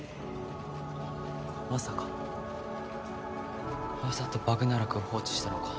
まさかわざとバグナラクを放置したのか。